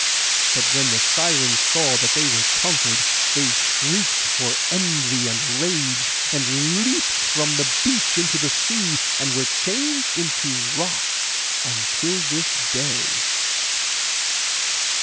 But when the Sirens saw that they were conquered, they shrieked for envy and rage, and leapt from the beach into the sea, and were changed into rocks until this day.